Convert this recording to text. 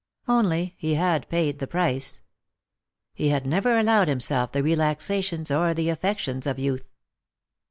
Only he had paid the price. He had never allowed himself the relaxations or the affections of youth.